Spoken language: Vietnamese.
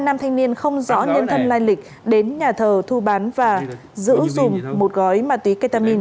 hai nam thanh niên không rõ nhân thân lai lịch đến nhà thờ thu bán và giữ dùm một gói ma túy ketamine